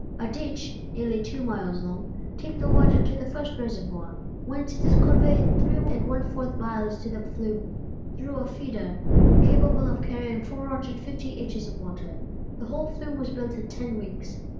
A ditch, nearly two miles long, takes the water to the first reservoir, whence it is conveyed 3 1/4 miles to the flume through a feeder capable of carrying 450 inches of water. The whole flume was built in ten weeks.